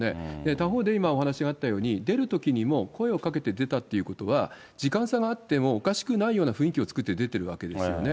他方で今、お話があったように出るときにも声をかけて出たっていうことは、時間差があってもおかしくないような雰囲気を作って出てるわけですよね。